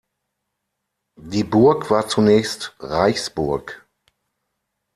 Die Burg war zunächst Reichsburg.